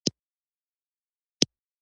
ایا زما وزن به ښه شي؟